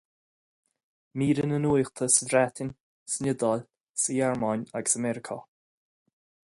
Míreanna nuachta sa Bhreatain, san Iodáil, sa Ghearmáin agus i Meiriceá.